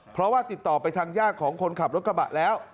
เพราะว่าติดต่อไปทางญาติของคนขับรถกระบะแล้ว